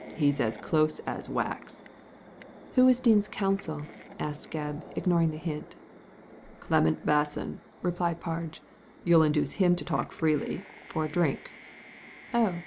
" He's as close as wax/' *• Who was Dean's counsel ?" asked Gebb, ignoring the hint "Clement Basson," replied Parge; "you'll induce him to talk freely — for a drink/' Oh